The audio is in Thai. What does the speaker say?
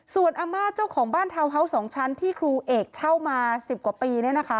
ส่วนอาม่าเจ้าของบ้านทาวน์เฮาส์๒ชั้นที่ครูเอกเช่ามา๑๐กว่าปี